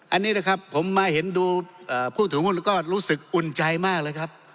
อันนี้นะครับผมมาเห็นดูผู้ถือหุ้นแล้วก็รู้สึกอุ่นใจมากเลยครับ